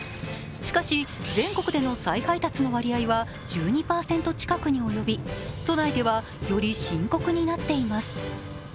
しかし、全国での再配達の割合は１２％近くに及び都内ではより深刻になっています。